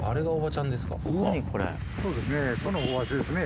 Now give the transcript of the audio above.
そうですね。